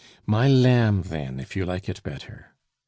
"My lamb, then, if you like it better."